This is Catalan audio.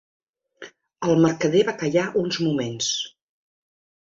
El mercader va callar uns moments.